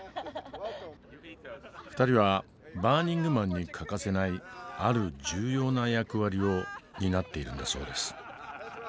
２人はバーニングマンに欠かせないある重要な役割を担っているんだそうです。